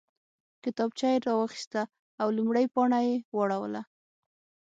کتابچه یې راواخیسته او لومړۍ پاڼه یې واړوله